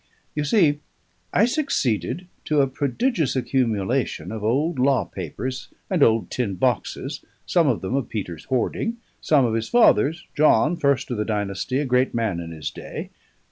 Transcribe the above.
You see, I succeeded to a prodigious accumulation of old law papers and old tin boxes, some of them of Peter's hoarding, some of his father's, John, first of the dynasty, a great man in his day.